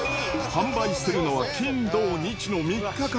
販売日時は金、土、日の３日間。